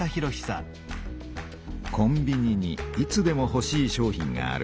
コンビニにいつでもほしい商品がある。